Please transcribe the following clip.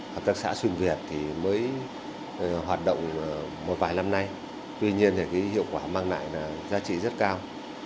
hợp tác xã xuyên việt thì mới hoạt động một vài năm nay tuy nhiên thì hiệu quả mang lại là giá trị rất cao